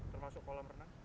termasuk kolam renang